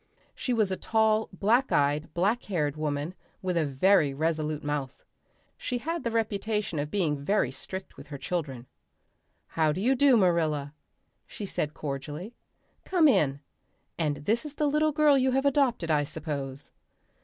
She was a tall black eyed, black haired woman, with a very resolute mouth. She had the reputation of being very strict with her children. "How do you do, Marilla?" she said cordially. "Come in. And this is the little girl you have adopted, I suppose?"